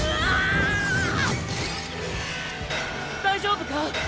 大丈夫か！？